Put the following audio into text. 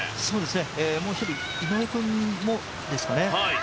もう１人、井上君もですかね。